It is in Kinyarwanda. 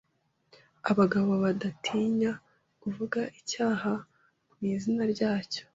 abagabo badatinya kuvuga icyaha mu izina ryacyo